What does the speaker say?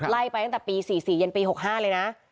ไล่ไปตั้งแต่ปี๔๔ยันปี๖๕เลยนะ